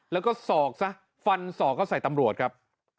แล้วก็ศอกซะฟันศอกก็ใส่ตำรวจครับ